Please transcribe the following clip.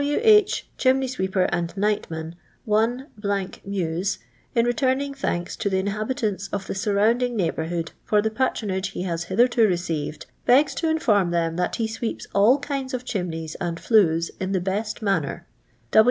" W. H., Chimney Sweeper and Nightman,. 1, Mews, in returning thanks to the inha bitanto of the surrounding neighbourhood for the patronage he has hitherto received, begs to in form them that he sweeps all kinds of chimneys and flues in the best manner.